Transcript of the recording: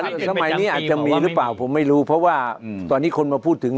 สมัยนี้อาจจะมีหรือเปล่าผมไม่รู้เพราะว่าตอนนี้คนมาพูดถึง